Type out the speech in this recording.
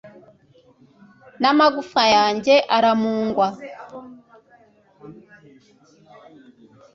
n'amagufwa yanjye aramungwa